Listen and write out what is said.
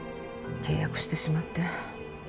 契約してしまって。